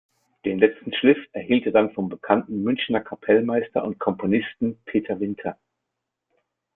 Den "letzten Schliff" erhielt er dann vom bekannten Münchener Kapellmeister und Komponisten Peter Winter.